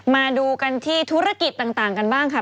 มาดูกันที่ธุรกิจต่างกันบ้างค่ะ